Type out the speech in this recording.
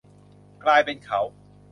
กลายเป็นเขา